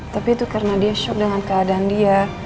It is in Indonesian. tapi itu karena dia shock dengan keadaan dia